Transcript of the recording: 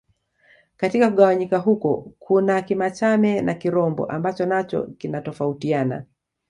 Katika kugawanyika huko kuna Kimachame na Kirombo ambacho nacho kinatofautiana